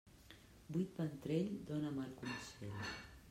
Buit ventrell dóna mal consell.